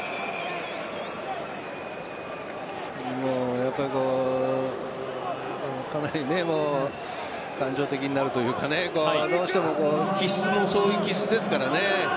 やっぱりかなり感情的になるというかねそういう気質ですからね。